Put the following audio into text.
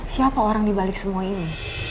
siapa orang dibalik semua ini